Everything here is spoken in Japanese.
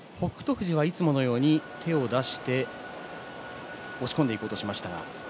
富士はいつものように手を出して押し込んでいこうとしましたが。